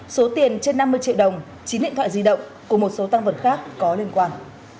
số tiền trên năm mươi triệu đồng chín điện thoại di động cùng một số tăng vật khác có liên quan